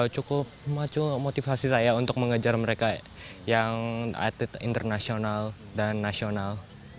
cukup maco motivasi saya untuk mengejar mereka yang atlet internasional dan nasional